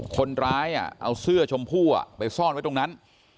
คนร้ายเอาเสื้อชมพู่ไปซ่อนไว้ตรงนั้น